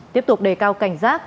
tiếp tục đề cao cảnh giác